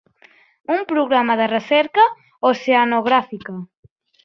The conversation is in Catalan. Un programa de recerca oceanogràfica.